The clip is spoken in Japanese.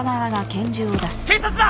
警察だ！